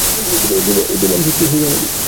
তোমার যুক্তির হোগা মারি।